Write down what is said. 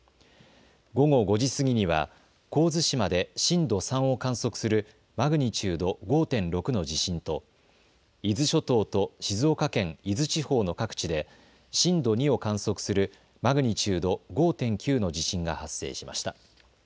午後５時過ぎには神津島で震度３を観測するマグニチュード５．６の地震と伊豆諸島と静岡県伊豆地方の各地で震度２を観測するマグニチュード５．９の地震が発生しました。